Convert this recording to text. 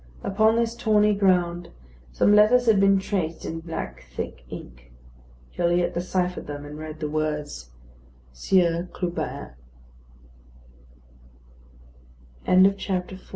Upon this tawny ground some letters had been traced in black thick ink. Gilliatt deciphered them, and read the words, "Sieur Clubin." V THE FATAL DIF